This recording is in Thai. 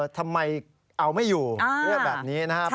ทำไมเอาไม่อยู่เรื่องแบบนี้นะครับ